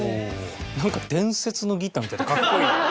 なんか伝説のギターみたいでかっこいいね。